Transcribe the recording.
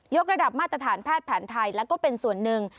กระดับมาตรฐานแพทย์แผนไทยแล้วก็เป็นส่วนหนึ่ง